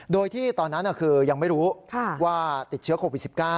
โดยที่ตอนนั้นคือยังไม่รู้ว่าติดเชื้อโควิด๑๙